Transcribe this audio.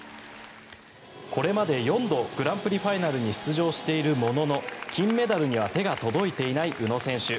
これまで４度グランプリファイナルに出場しているものの金メダルには手が届いていない宇野選手。